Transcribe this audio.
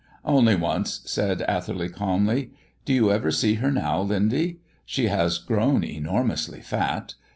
"Only once," said Atherley, calmly. "Do you ever see her now, Lindy? She has grown enormously fat.